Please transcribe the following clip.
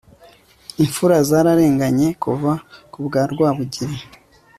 imfura za rarenganye kuva ku bwa rwabugili